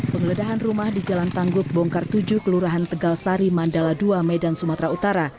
penggeledahan rumah di jalan tangguh bongkar tujuh kelurahan tegal sari mandala dua medan sumatera utara